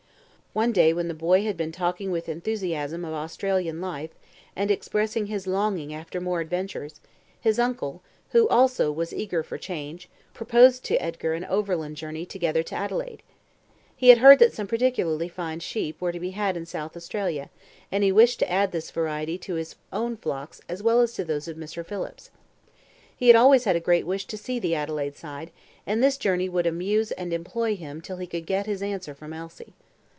One day when the boy had been talking with enthusiasm of Australian life, and expressing his longing after more adventures, his uncle, who also was eager for change, proposed to Edgar an overland journey together to Adelaide. He had heard that some particularly fine sheep were to be had in South Australia, and he wished to add this variety to his own flocks as well as to those of Mr. Phillips. He had always had a great wish to see the Adelaide side, and this journey would amuse and employ him till he could get his answer from Elsie.